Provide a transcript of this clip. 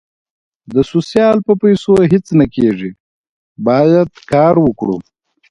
د سوسیال په پېسو هیڅ نه کېږي باید کار وکړو